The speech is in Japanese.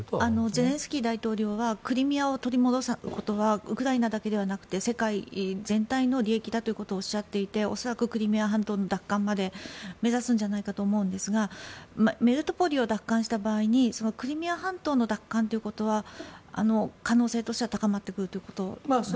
ゼレンスキー大統領はクリミアを取り戻すことはウクライナだけではなくて世界全体の利益だということをおっしゃっていて恐らくクリミア半島の奪還まで目指すんじゃないかと思うんですがメリトポリを奪還した場合にクリミア半島の奪還ということは可能性としては高まってくるということでしょうか。